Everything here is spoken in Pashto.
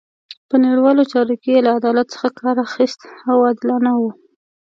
په نړیوالو چارو کې یې له عدالت څخه کار اخیست او عادلانه وو.